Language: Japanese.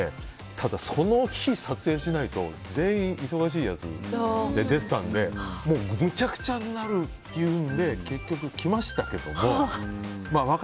ただ、その日、撮影しないと全員忙しいやつに出てたんでめちゃくちゃになるっていうので結局来ましたけども。